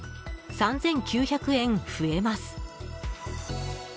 ３９００円増えます。